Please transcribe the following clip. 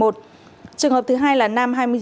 trường hợp thứ hai là nam